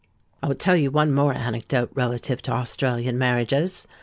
"I will tell you one more anecdote relative to Australian marriages.